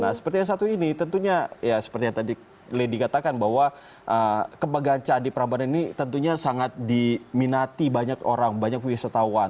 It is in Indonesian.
nah seperti yang satu ini tentunya ya seperti yang tadi lady katakan bahwa kebanggaan candi prambanan ini tentunya sangat diminati banyak orang banyak wisatawan